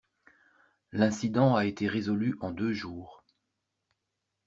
L'incident a été résolu en deux jours.